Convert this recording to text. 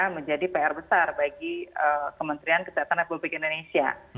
menjadi pr besar bagi kementerian kesehatan republik indonesia